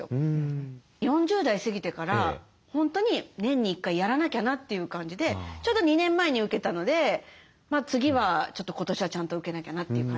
４０代過ぎてから本当に年に１回やらなきゃなという感じでちょうど２年前に受けたので次はちょっと今年はちゃんと受けなきゃなという感じですかね。